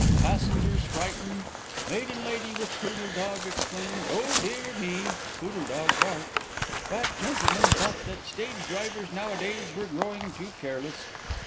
Passengers frightened. Maiden lady with poodle dog exclaimed, 'Oh, dear me!' Poodle dog barked. Fat gentleman thought that stage drivers now a days were growing too careless.